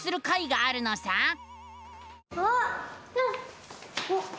あっ！